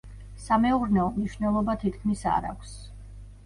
სამეურნეო მნიშვნელობა თითქმის არ აქვს.